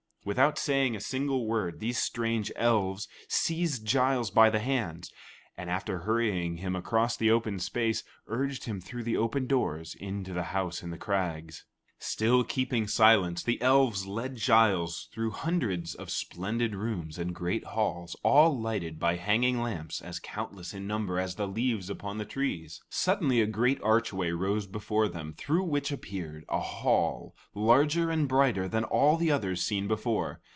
Without saying a single word, these strange elves seized Giles by the hands, and after hurrying him across the open space, urged him through the open doors into the house in the crags. Still keeping silence, the elves led Giles through hundreds of splendid rooms and great halls, all lighted by hanging lamps as countless in number as the leaves upon the trees. Suddenly, a great archway rose before them, through which appeared a hall larger and brighter than all the others seen before.